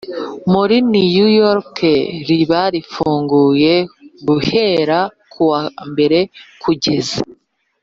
muri New York Riba rifunguye guhera kuwa mbere kugeza